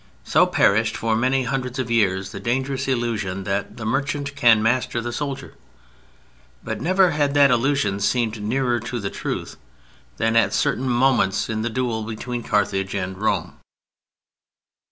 So perished for many hundred years the dangerous illusion that the merchant can master the soldier. But never had that illusion seemed nearer to the truth than at certain moments in the duel between Carthage and Rome.